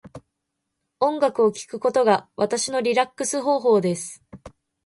音楽を聴くことが私のリラックス方法です。